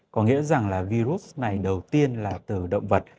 có nghĩa rằng là virus này đầu tiên là từ động vật